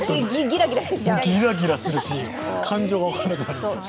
ギラギラするし、感情が分からなくなるんです。